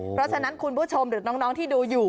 เพราะฉะนั้นคุณผู้ชมหรือน้องที่ดูอยู่